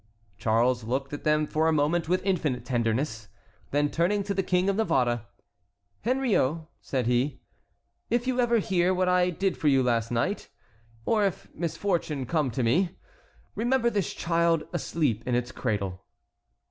Charles looked at them for a moment with infinite tenderness. Then turning to the King of Navarre: "Henriot," said he, "if you ever hear what I did for you last night, or if misfortune come to me, remember this child asleep in its cradle."